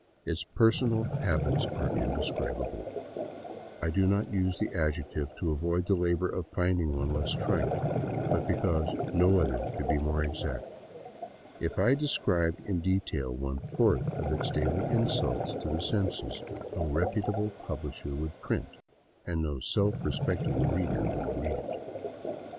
Its personal habits are indescribable; I do not use the adjective to avoid the labor of finding one less trite, but because no other could be more exact. If I described in detail one fourth its daily insults to the senses, no reputable publisher would print, and no self respecting reader would read it.